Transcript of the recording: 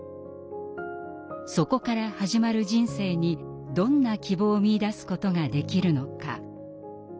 「そこから始まる人生にどんな希望を見いだすことができるのか？」。